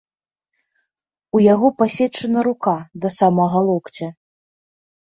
У яго пасечана рука да самага локця.